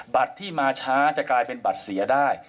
บัตรที่มาช้าจะกลายเป็นบัตรเสียได้